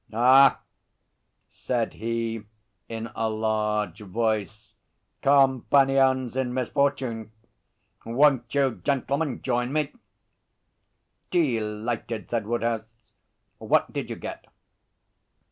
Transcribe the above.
'Ah!' said he, in a large voice. 'Companions in misfortune. Won't you gentlemen join me?' 'Delighted,' said Woodhouse. 'What did you get?'